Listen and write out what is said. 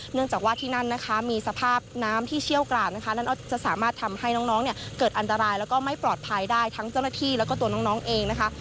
เนื่องจากว่าที่นั่นนะคะมีสภาพน้ำที่เชี่ยวกราดนะคะนั่นก็จะสามารถทำให้น้องเนี่ยเกิดอันตรายแล้วก็ไม่ปลอดภัยได้ทั้งเจ้าหน้าที่แล้วก็ตัวน้องเองนะคะ